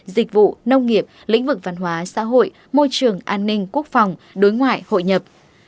dịch vụ nông nghiệp lĩnh vực văn hóa xã hội môi trường an ninh quốc phòng đối ngoại hội nhập